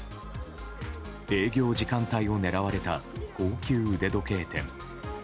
営業時間帯を狙われた高級腕時計店。